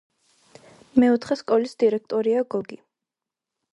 მეოთხე სკოლის დირექტორია გოგი.